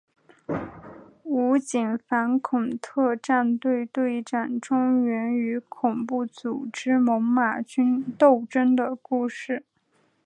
武警反恐特战队队长钟原与恐怖组织猛玛军斗争的故事。